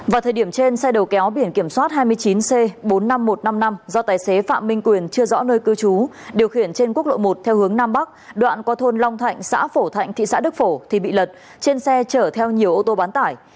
vào thời điểm trên xe đầu kéo biển kiểm soát hai mươi chín c bốn mươi năm nghìn một trăm năm mươi năm do tài xế phạm minh quyền chưa rõ nơi cư trú điều khiển trên quốc lộ một theo hướng nam bắc đoạn qua thôn long thạnh xã phổ thạnh thị xã đức phổ thì bị lật trên xe chở theo nhiều ô tô bán tải